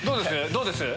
どうです？